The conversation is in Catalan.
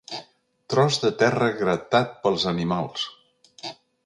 Tros de terra gratat pels animals.